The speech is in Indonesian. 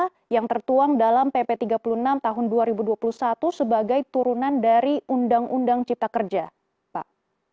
apa yang tertuang dalam pp tiga puluh enam tahun dua ribu dua puluh satu sebagai turunan dari undang undang cipta kerja pak